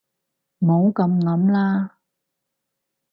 唔好噉諗啦